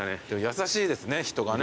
優しいですね人がね。